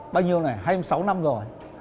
bao nhiêu này hai mươi sáu năm rồi